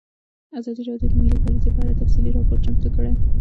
ازادي راډیو د مالي پالیسي په اړه تفصیلي راپور چمتو کړی.